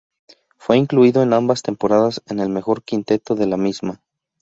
Fue incluido en ambas temporadas en el mejor quinteto de la misma.